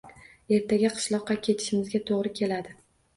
Ertaga qishloqqa ketishimizga toʻgʻri keladi